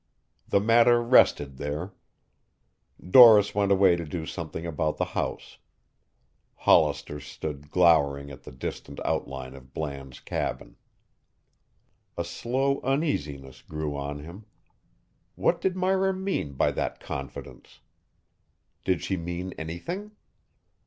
The matter rested there. Doris went away to do something about the house. Hollister stood glowering at the distant outline of Bland's cabin. A slow uneasiness grew on him. What did Myra mean by that confidence? Did she mean anything?